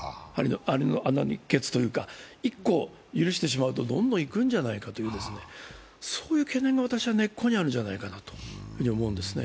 アリの穴の一穴というか１個許してしまうとどんどんいくのではないか、そういう懸念が私は根っこにあるんじゃないかと思うんですね。